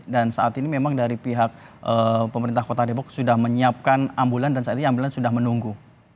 dan saat ini memang dari pihak pemerintah kota depok sudah menyiapkan ambulan dan saat ini ambulan sudah menunggu